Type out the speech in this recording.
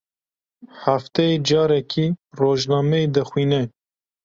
Hefteyê carekê rojnameyê dixwîne.